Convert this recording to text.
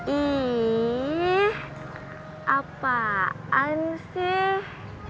ih apaan sih